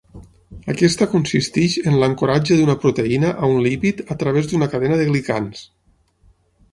Aquesta consisteix en l'ancoratge d'una proteïna a un lípid a través d'una cadena de glicans.